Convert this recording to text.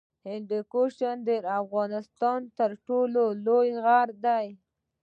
هندوکش د افغانستان تر ټولو لوی غر دی